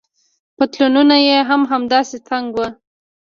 پتلونونه يې هم همداسې تنګ وو.